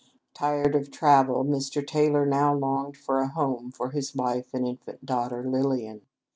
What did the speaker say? Tired of travel, Mr. Taylor now longed for a home for his wife and infant daughter, Lilian.